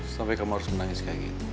sampai kamu harus menangis kayak gitu